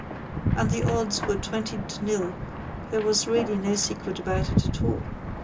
And the odds were twenty to nil there was really no secret about it at all.